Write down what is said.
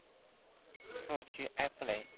洛屈埃夫雷。